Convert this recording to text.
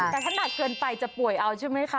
แต่ถ้าหนักเกินไปจะป่วยเอาใช่ไหมคะ